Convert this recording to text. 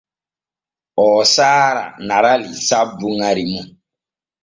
Oo saara Narali sabbu ŋari mum.